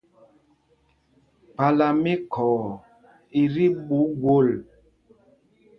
Kpālā mí Khɔɔ í tí ɓuu gwol.